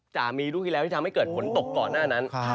จะมีลูกที่แล้วที่ทำให้เกิดฝนตกก่อนหน้านั้น